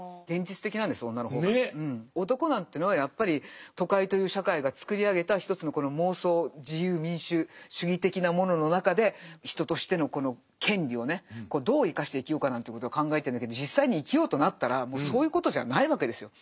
男なんていうのはやっぱり都会という社会が作り上げた一つのこの妄想自由民主主義的なものの中でなんていうことを考えてるんだけど実際に生きようとなったらもうそういうことじゃないわけですよ。